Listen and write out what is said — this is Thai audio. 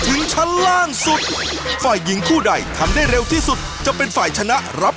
โชคความแม่นแทนนุ่มในศึกที่๒กันแล้วล่ะครับ